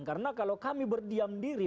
karena kalau kami berdiam diri